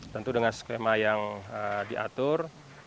tentu dengan skema yang diatur